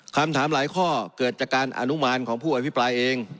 คำถามหลายข้อเกิดจากการอนุมานของผู้อภิปรายเอง